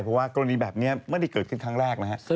เพราะว่ากรณีแบบนี้ไม่ได้เกิดขึ้นครั้งแรกนะฮะ